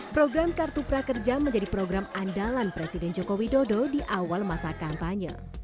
program kartu prakerja menjadi program andalan presiden joko widodo di awal masa kampanye